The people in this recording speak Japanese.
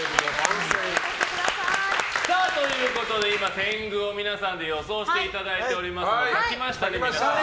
ということで今天狗を皆さんで予想していただいておりますが書きましたね。